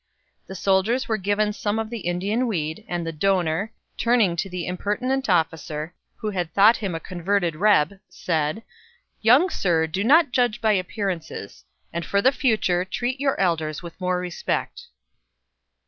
The soldiers were given some of the Indian weed, and the donor, turning to the impertinent officer, who had thought him a converted reb, said: "Young sir, do not judge by appearances; and for the future treat your elders with more respect."